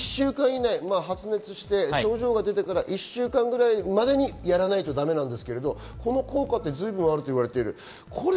発熱して症状が出てから１週間くらい前にやらないとだめなんですけれども、この効果はあるといわれている。